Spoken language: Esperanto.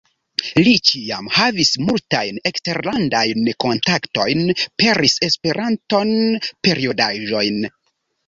Li ĉiam havis multajn eksterlandajn kontaktojn, peris E-periodaĝojn.